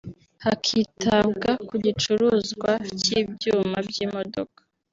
hakitabwa ku gicuruzwa cy’ibyuma by’imodoka